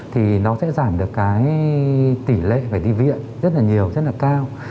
thì nó sẽ giảm được cái tỷ lệ phải đi viện rất là nhiều rất là cao